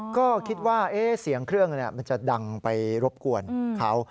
ก็คิดว่าเสียงเครื่องมันจะดังไปรบกวนเขา